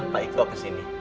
pak iko kesini